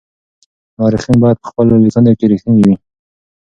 مورخین باید په خپلو لیکنو کي رښتیني وي.